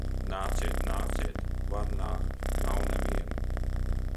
Nāciet, nāciet! Var nākt. Nav neviena.